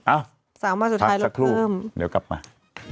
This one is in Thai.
เอ้าทั้งสักครู่เดี๋ยวกลับมา